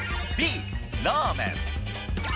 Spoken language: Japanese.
Ｂ、ラーメン。